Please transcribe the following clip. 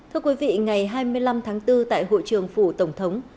thưa quý vị ngày hai mươi năm tháng bốn tại hội trường phủ tổng thống